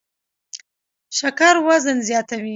شکر وزن زیاتوي